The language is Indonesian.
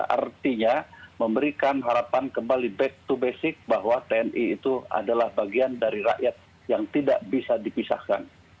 artinya memberikan harapan kembali back to basic bahwa tni itu adalah bagian dari rakyat yang tidak bisa dipisahkan